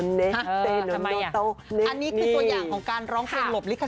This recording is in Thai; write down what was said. อันนี้คือตัวอย่างของการร้องเพลงหลบลิข